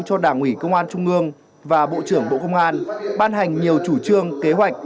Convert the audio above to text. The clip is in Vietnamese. cho đảng ủy công an trung ương và bộ trưởng bộ công an ban hành nhiều chủ trương kế hoạch